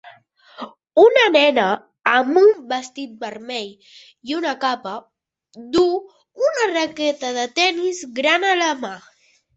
Una nena amb un vestit vermell i una capa duu una raqueta de tenis gran a la mà.